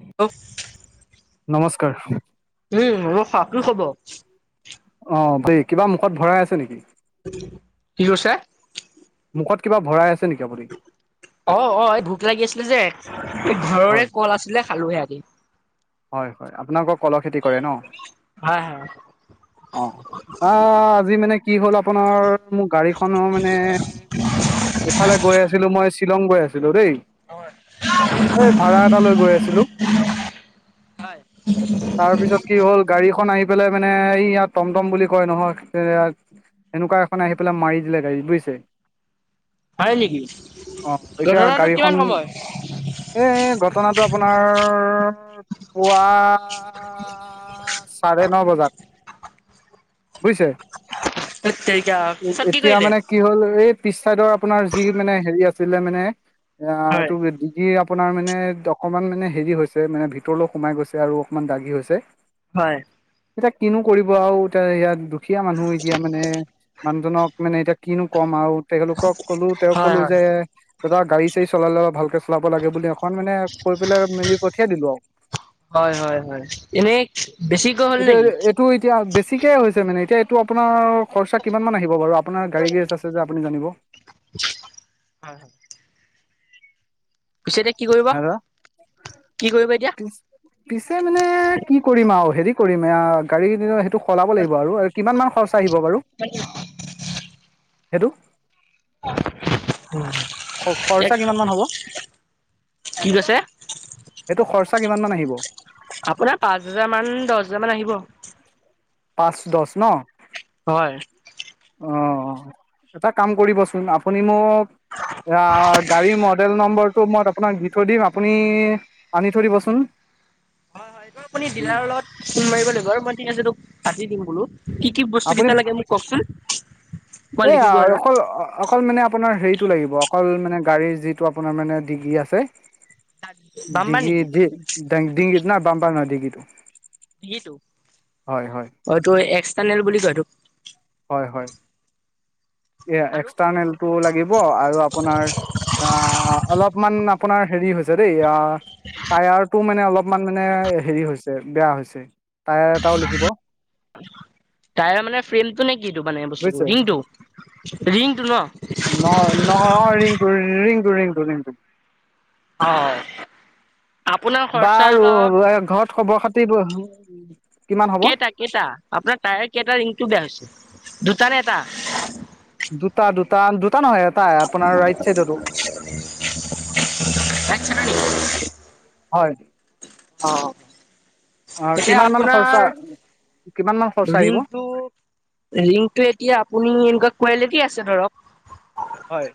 [unintelligible] নমস্কাৰ। উম [unintelligible] কি খবৰ? অ' দে, কিবা মুখত ভৰাই আছে নেকি? কি কৈছে? মুখত কিবা ভৰাই আছে নেকি আপুনি অ' অ' এই ভোক লাগি আছিলে যে, এই ঘৰৰে হয় কল আছিলে খালোহি আহি। হয় হয়, আপোনালোকৰ কলৰ খেতি কৰে ন'? হয় হয়। অ'। আহ আজি মানে কি হ'ল আপোনাৰ, মোৰ গাড়ীখনৰ মানে ইফালে গৈ আছিলোঁ মই শ্বিলং গৈ আছিলোঁ দেই। এই ভাড়া এটা লৈ গৈ আছিলোঁ। হয়। তাৰ পিছত কি হ'ল, গাড়ী এখন আহি পেলাই মানে এই য়া টমটম বুলি কয় নহয়, এয়া তেনেকুৱা এখন আহি পেলাই মাৰি দিলে গাড়ী, বুইছে? হয় নেকি অ' এতিয়া ঘটনাটো কিমান গাড়ীখন সময়? এ ঘটনাটো আপোনাৰ পুৱা চাৰে ন বজাত বুইছে? ধেত তেৰিকা পিছত কি এতিয়া কৰিলে? মানে কি হ'ল এই পিচ চাইডৰ আপোনাৰ যি মানে হেৰি আছিলে মানে, আ হয়। এইটো ৰ আপোনাৰ মানে অকনমান মানে হেৰি হৈছে, মানে ভিতৰলৈ সোমাই গৈছে আৰু অকমান দাগি হৈছে। হয়। এতিয়া কিনো কৰিব আৰু, এতিয়া ইয়াত দুখীয়া মানুহ, এতিয়া মানে মানুহজনক মানে এতিয়া কিনো ক'ম আৰু, তেওঁলোকক ক'লো। তেওঁক হয় ক'লো হয় যে দাদা গাড়ী চাড়ী চলালে, অলপ ভালকে চলাব লাগে বুলি অকন মানে, কৈ পেলাই মেলি পঠিয়াই দিলোঁ আৰু। হয় হয় হয়, এনেই বেছিকৈ হ'ল নেকি? টোৰ এতিয়া বেছিকে হৈছে মানে, এতিয়া এইটো আপোনাৰ খৰচা কিমান মান আহিব বাৰু! আপোনাৰ গাড়ী আছে যে, আপুনি জানিব। হয়। পিছে এতিয়া কি কৰিবা? দাদা কি কৰিবা এতিয়া? পিছ পিছে মানে কি কৰিম আৰু, হেৰি কৰিম। এই গাড়ী ক সেইটো সলাব লাগিব আৰু। আৰু কিমান মান খৰচ আহিব বাৰু! সেইটো? উম্, খৰচা এক কিমান মান হ'ব কি কৈছে? এইটো খৰচা কিমান মান আহিব। আপোনাৰ পাঁচ হাজাৰ মান, দহ হাজাৰ মান আহিব। পাঁচ দহ ন', হয় অ'। এটা কাম কৰিবচোন! আপুনি মোক অ', গাড়ী মডেল নম্বৰটো মই আপোনাক দি থৈ দিম। আপুনি আনি থৈ দিবচোন। হয় এইটো আপুনি ডিলাৰৰ লগত ফোন মাৰিব লাগিব, আৰু মই ঠিক আছে, তোক পাতি দিম বোলোঁ। কি কি বস্তু কেইটা লাগে মোক কওঁকচোন! এইয়া আৰু অকল অকল মানে আপোনাৰ হেৰিটো লাগিব, অকল মানে গাড়ীৰ যিটো আপোনাৰ মানে ডিগি আছে। বাম্বা ডিগি নেকি দি, ড ডিগিতো ন বাম্পাৰ ন ডিগিতো। ডিগিটো। হয় হয়। হয়টো, এক্সটাৰ্নেল বুলি কয়, এইটো। হয় হয়। এইয়া আৰু এক্সটাৰ্নেলটো লাগিব আৰু আপোনাৰ অ', অলপমান আপোনাৰ হেৰি হৈছে দেই, অ'। টায়াৰটো মানে অলপমান মানে হেৰি হৈছে, বেয়া হৈছে। টায়াৰ এটাও লিখিব তায়াৰ মানে, ফ্ৰেমটো নে কিটো! মানে বস্তুটো বুজিছে ৰিংটো। ৰিংটো ন'। নহয় নহয়, অ', ৰিংটো ৰিংটো, ৰিংটো ৰিংটো। অ', অ'। বাৰু, ঘৰত খবৰ-খাতি কেইটা কেইটা, আপোনাৰ টায়াৰ কেইটা ৰিংটো বেয়া হৈছে। দুটা নে এটা? দুটা দুটা, দুটা নহয় ইয়াত [unintelligible] হয়। অ', অ এতিয়া কিমান মান খৰচা আপোনাৰ, কিমান মান খৰচা আহিব ৰিংটো ৰিংটো এতিয়া আপুনি, এনেকুৱা কোৱালিটি আছে ধৰক। হয়।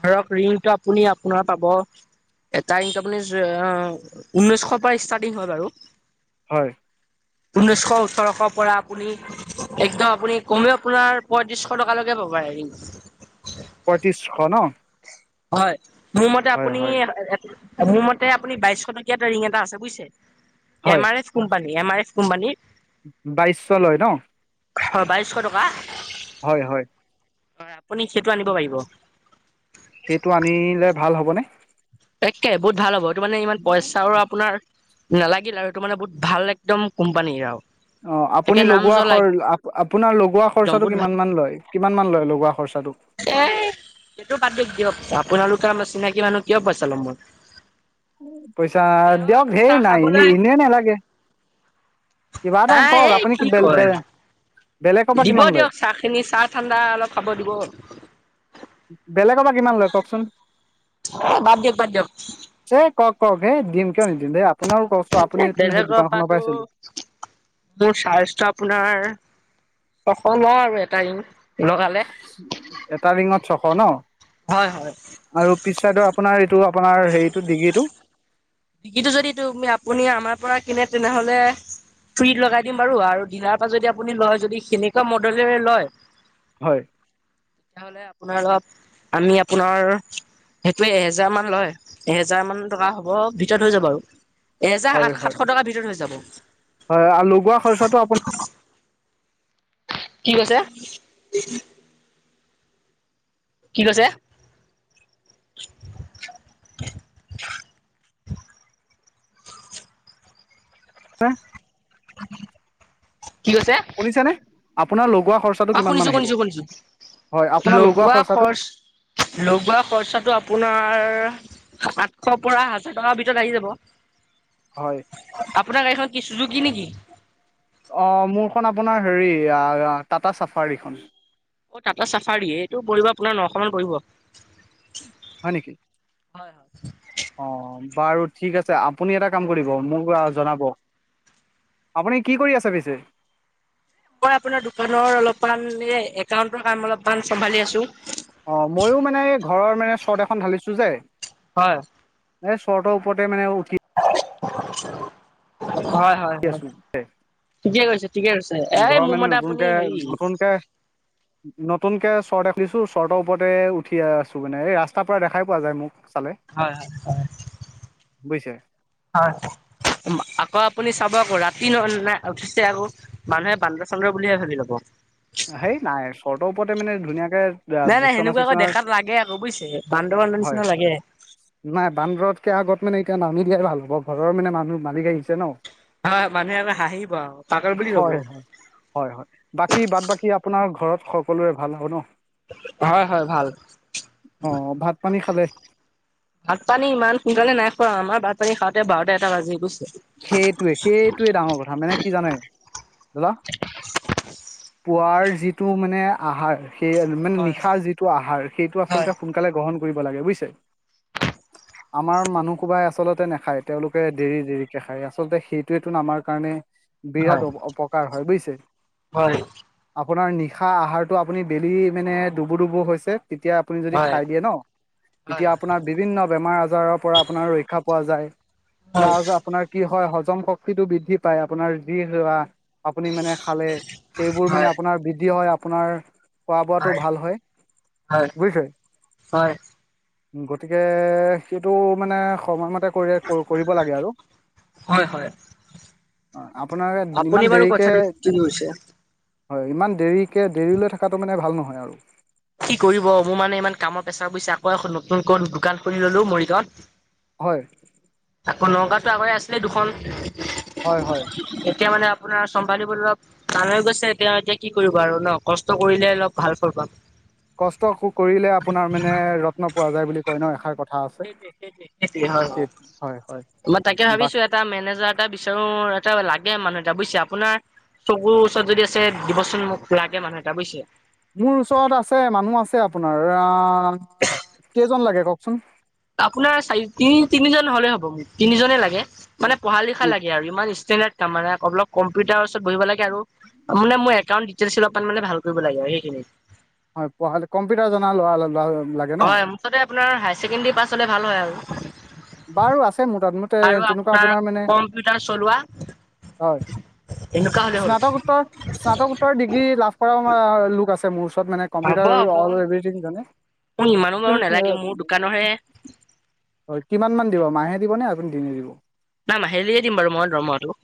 ধৰক, ৰিংটো আপুনি আপোনাৰ পাব। এটা ৰিং আপোনাৰ ঊনৈশৰ পৰা ষ্টাৰ্টিং হয় বাৰু। হয়। ঊনৈছশ ওঠৰশৰ পৰা আপুনি, একদম আপুনি কমেও আপোনাৰ পয়ত্ৰিশ টকালৈকে পাব হেৰি। পঁয়ত্ৰিশ ন। হয়, মোৰ মতে হয় হয় আপুনি- মোৰ মতে আপুনি বাইশ টকীয়া এটা ৰিং এটা আছে বুজিছে, হয় M R F company, M R F কোম্পানীৰ। বাইছ শ লয় ন। হয় বাইছশ টকা। হয় হয়। হয়, আপ সেইটো আনিলে ভাল হবনে? একে বহুত ভাল হ'ব এইটো মানে ইমান পইচাও আপোনাৰ নালাগিল আৰু সেইটো মানে বহুত ভাল একদম কোম্পানী আৰু। অ আপুনি একে নাম লগোৱাৰ জ্বলা সৰ, আপোনাৰ লগোৱা একদম খৰচাটো বহুত ভাল কিমান মান লয়? কিমান মান লয় লগোৱা খৰচাটো? এ সেইটো বাদ দিয়ক দিয়ক আপোনালোকে চিনাকি মানুহ কিয় পইচা ল'ম মই? পইচা তেওঁ দিয়ক আপুনি সেই চাহ নাই এনে খাবলৈ এনেই নালাগে। কিবা এটা নাই কক এই আপনি কি বেল কয় বে- বেলেগৰ পৰা দিব কিমান লয়? দিয়ক চাহ খিনি, চাহ ঠাণ্ডা অলপ খাব দিব। বেলেগৰ পৰা কিমান লয় কওকচোন। এই বাদ দিয়ক বাদ দিয়ক। এ কওক কওক হেই দিম কিয় নিদিম দেই আপোনাৰো কষ্ট আপুনিটো সেই বেলেগৰ দোকানখনৰ পৰাতো পৰাই চলি মোৰ চাৰ্জটো আপোনাৰ ছশ লও আৰু এটা ৰিং লগালে। এটা ৰিঙত ছশ ন। হয় হয়। আৰু পিছ চাইদৰ আপোনাৰ এইটো আপোনাৰ হেৰিটো ডিকিটো? ডিকিটো যদি তু আপুনি আমাৰ পৰা কিনে তেনেহলে, ফ্ৰীত লগাই দিম বাৰু আৰু দীলাৰৰ পৰা যদি আপুনি লয় যদি সেনেকুৱা মডলেৰে লয়, হয়। তেনেহলে আপোনাৰ অলপ আমি আপোনাৰ সেইটোৱে এহেজাৰমানান লয় এহেজাৰ মান টকা হ'ব। ভিতৰত হৈ যাব আৰু এহেজাৰ হয় সাত হয় সাতশ টকাৰ ভিতৰত হৈ যাব। হয় আৰু লগোৱা খৰচাটো আপোনাৰ কি কৈছে? কি কৈছে? কোৱা। কি কৈছে? শুনিছে নে? আপোনাৰ লগোৱা খৰচ অ শুনিছো শুনিছো শুনিছো হেল্ল আপোনাৰ লগোৱা খৰচাটো খৰচ লগোৱা খৰচাটো আপোনাৰ, আঠশৰ পৰা হাজাৰ টকাৰ ভিতৰত আহি যাব। হয়। আপোনাৰ গাড়ীখন কি চুজুকি নেকি? অ মোৰখন আপোনাৰ হেৰি আ আ টাটা চাফাৰীখন। অ' টাটা চাফাৰিয়ে এইটো পৰিব আপোনাৰ নশ মান পৰিব। হয় নেকি। হয় হয়। অ' বাৰু ঠিক আছে আপুনি এটা কাম কৰিব মোক জনাব। আপুনি কি কৰি আছে পিছে? মই আপোনাৰ দোকানৰ অলপমান এ একাউন্টৰ কাম অলপমান চম্ভালি আছো। অ' ময়ো মানে এই ঘৰৰ মানে শট এখন ঢালিছো যে। হয় এ শ্বটৰ ওপৰতে মানে উঠি। হয়। হয়- হয় আছো। ঠিকে কৈছে ঠিকে কৈছে এ ঘৰৰ মোৰ মানে মতে আপুনি নতুনকে হেৰি। নতুনকে [inaudible] নতুনকে চৰ্ট এখুলিছো চটৰ ওপৰতে উঠি আছো মানে এই ৰাস্তাৰ পৰা দেখাই পোৱা যায় মোক চালে। হয় হয় হয়। বুজিছে। হয় আকৌ আপুনি চাব আকৌ ৰাতি ন' নাই উঠিছে আকৌ। মানুহে বান্দৰ চন্দ্ৰ বুলিহে ভাবি লব। সেই নাই চৰটৰ ওপৰতে মানে ধুনীয়াকে। নাই নাই বিচনা সেনেকুৱাকে চিচনা দেখাত লাগে আকৌ বুইছে বান্দৰ বান্দৰ হয়। নিচিনা লাগে। নাই বান্দৰতকে আগত মানে এতিয়া নামি দিয়াই ভাল হ'ব ঘৰৰ মানে মানুহ মালিক আহিছে ন'। হয় মানুহে এবাৰ হাঁহিব পাগল বুলি কব। হয় হয় হয় হয় বাকী বাদ বাকী আপোনাৰ ঘৰত সকলোৰে ভাল হব ন'। হয় হয় ভাল। অ ভাত পানী খালে ভাত পানী ইমান সোনকালে নাই খোৱা, আমাৰ ভাত পানী খাওঁতে বাৰটা এটা বাজি গৈছে। সেইটোৱে সেইটোৱে ডাঙৰ কথা মানে কি জানে। হেল্ল পোৱাৰ যিটো মানে আহাৰ। সেই আৰু মানে হয় হয় নিশাৰ যিটো আহাৰ সেইটো হয় আচলতে সোনকালে গ্ৰহণ কৰিব লাগে বুইছে। আমাৰ মানুহ সোপাই আচলতে নাখায় তেওঁলোকে দেৰি দেৰি। খাই আচলতে সেইটোৱেতোন আমাৰ কাৰণে। হয় বিৰাট অপকাৰ হয় বুইছে। হয় আপোনাৰ নিশা আহাৰতটো আপুনি বেলি মানে ডুবু ডুবু হৈছে তেতিয়া। আপুনি যদি হয় খাই দিয়ে ন' হয় তেতিয়া আপোনাৰ বিভিন্ন বেমাৰ আজাৰৰ পৰা আপোনাৰ ৰক্ষা পোৱা যায়। হয় হয় প্লাছ আপোনাৰ কি হয় হজম শক্তিটো বৃদ্ধি পায় আপোনাৰ যি। আপুনি মানে খালে, সেইবোৰ মানে হয় আপোনাৰ বৃদ্ধি হয় আপোনাৰ। খোৱা বোৱাতটো ভাল হয় বুইছে। হয় হয় গতিকে সেইটো মানে সময়মতে কৰি কৰিব লাগে আৰু। হয়, হয় আপোনাৰ আপুনি ইমান বাৰু দেৰিকে কথাটো কৈছে। হয় ইমান দেৰিকে দেৰিলৈ থকাটো মানে ভাল নহয় আৰু। কি কৰিব মোৰ মানে ইমান কামৰ পেছাৰ বুইছে, আকৌ এখন নতুনকৈ দোকান খুলি ললো মৰিগাঁৱত। হয়। আকৌ নগাঁওতো আগতে আছিলে দুখন হয় হয় এতিয়া মানে। আপোনাৰ চম্ভালিবলৈ অলপ টান হৈ গৈছে, এতিয়া এতিয়া কি কৰিব আৰু ন' কষ্ট কৰিলে অলপ ভাল ফল পাম। কষ্ট কৰিলে আপোনাৰ মানে ৰত্ন পোৱা যায় বুলি কয় ন' এষাৰ কথা। আছে সেইটোৱে সেইটোৱে সেইটোৱে হয়, হয় মই তাকে বা ভাবিছো। এটা মেনেজাৰ এটা বিচাৰো এটা লাগে মানুহ এটা বুজিছে আপোনাৰ। চকুৰ ওচৰত যদি আছে দিব চোন মোক খুব মানুহ এটা বুজিছে। মোৰ ওচৰত আছে মানুহ আছে আপোনাৰ আহ কেইজন লাগে কওকচোন। আপোনাৰ চাৰি, তিনি, তিনিজন হ'লে হ'ব। তিনিজনেই লাগে মানে পঢ়া-লিখা লাগে আৰু ইমান [unintelligible] অলপ কম্পিউটাৰৰ ওচৰত বহিব লাগে আৰু মানে মোৰ একাউণ্ট। চিল অপান মানে ভাল কৰিব লাগে আৰু সেইখিনিত। হয় পঢ়াল কম্পিউটাৰ জনা ল'ৰা ল'ৰা লাগে। ন হয় মুঠতে আপোনাৰ হাই-ছেকেণ্ডেৰী পাছ হ'লে ভাল হয় আৰু বাৰু আছে মোৰ তাত মই। আৰু আপোনাৰ কম্পিউটাৰ চলোৱা হয় এনেকুৱা হ'লে হ'ল। স্নাতকোত্তৰ স্নাতকোত্তৰ ডিগ্ৰী লাভ কৰাও লোক আছে মোৰ ওচৰত মানে। হ'ব কম্পিউটাৰ হ'ব। অল এভ্ৰিথিং জানে। কিন্তু নহয়ে [unintelligible] হয়, কিমান মান দিব? মাহে দিবনে? আপুনি দিনে দিব? নাই মাহেলিয়ে দিম বাৰু মই দৰমহাটো।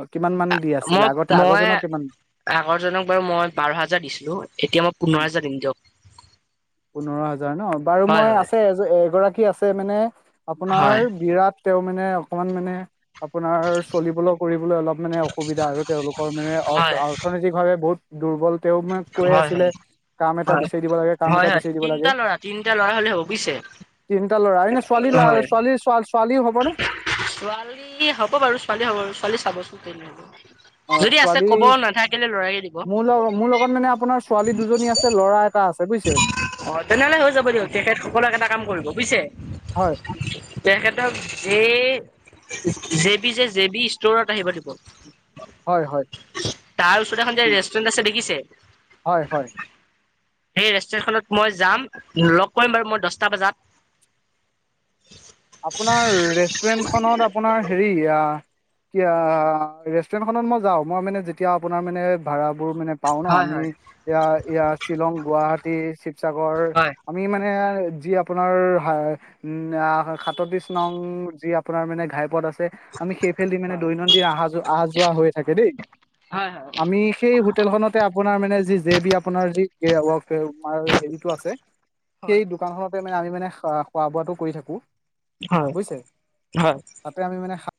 অ' কিমানমান দি আছিলে মই আগতে মই আগৰজনক কিমান। আগৰজনক বাৰু মই বাৰ হাজাৰ দিছিলো। এতিয়া মই পোন্ধৰ হাজাৰ দিম দিয়ক। [unintelligible] পোন্ধৰ হাজাৰ ন! বাৰু হয় মই হয় আছে এ এগৰাকী আছে মানে হয় আপোনাৰ বিৰাট। তেওঁমানে অকমান মানে আপোনাৰ চলিবলৌ। [unintelligible] অলপ মানে অসুবিধা আৰু তেওঁলোকৰ মানে অৰ্থ হয় অৰ্থনৈতিকভাৱে বহুত দুৰ্বল। তেওঁ মা [unintelligible] কৈ হয় হয় আছিলে কাম এটা হয়। বিচাৰি দিব লাগে কাম হয় এটা হয় বিচাৰি দিব লাগে। তিনিটা ল'ৰা তিনিটা ল'ৰা হ'লে হ'ব বুজিছে তিনিটা ল'ৰা এনে ছোৱালী হয়। ছোৱালীৰ ছোৱালী ছোৱালীও হ'ব নে? ছোৱালী হ'ব বাৰু ছোৱালী হ'ব ছোৱালী চাবচোন তেনেহ'লে। অ ছোৱালী মোৰ লগত মোৰ লগত মানে আপোনাৰ ছোৱালী দুজনী আছে ল'ৰা টা আছে বুইছে। অ তেনেহলে হৈ যাব দিয়ক তেখেতসকলক এটা কাম কৰিব বুইছে। হয় [inaudible] তেখেতক জে জে বি যে জে বি ষ্টৰত আহিব দিব। হয়, হয়। তাৰ ওচৰতে এখন যে ৰেষ্টুৰেণ্ট আছে হয় হয় দেখিছে? সেই ৰেষ্টুৰেণ্টখনত মই যাম। লগ কৰিম বাৰু মই দচটা বাজাত। আপোনাৰ ৰেষ্টুৰেণ্টখনত আপোনাৰ হেৰি আ য়া ৰেষ্টুৰেণ্টখনত মই যাওঁ। মই মানে যেতিয়া আপোনাৰ মানে ভাড়াবোৰ মানে পাওঁ ন' হয় আমি হয় এয়া ইয়াত শ্বিলং, গুৱাহাটী টী, শিৱসাগৰ হয় আমি মানে যি আপোনাৰ হাঁ--উম আ সাতত্ৰিশ নং যি আপোনাৰ মানে, ঘাইপথ আছে। আমি সেইফেলদি মানে হয় দৈনন্দিন আহা-যোৱ- আহা-যোৱা হৈ থাকে দেই। হয় আমি সেই হোট্‌ টেলখনতে আপোনাৰ মানে যি জে বি আপোনাৰ জি কে ৱৰ্ক এ আমাৰ জে বিটো আছে। হয় সেই দোকানখনতে মানে আমি মানে খাৱা খোৱা-বোৱাটো কৰি থাকোঁ। হয়, হয়। তাতে আমি মানে সাত্‌